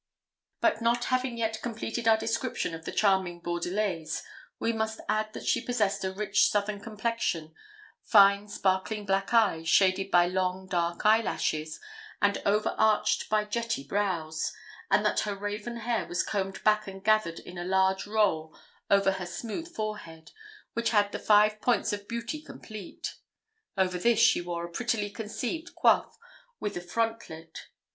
But not having yet completed our description of the charming Bordelaise we must add that she possessed a rich southern complexion, fine sparkling black eyes, shaded by long dark eye lashes, and over arched by jetty brows, and that her raven hair was combed back and gathered in a large roll over her smooth forehead, which had the five points of beauty complete. Over this she wore a prettily conceived coif, with a frontlet.